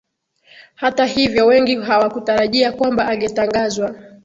Hata hivyo wengi hawakutarajia kwamba angetangazwa